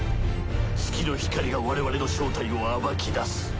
月の光が我々の正体を暴き出す。